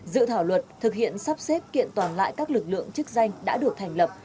dự thảo luật thực hiện sắp xếp kiện toàn lại các lực lượng chức danh đã được thành lập